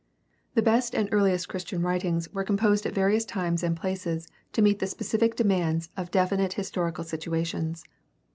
— The best and earhest Christian writings were composed at various times and places to meet the specific demands of definite historical situations.